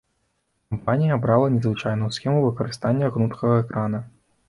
Кампанія абрала незвычайную схему выкарыстання гнуткага экрана.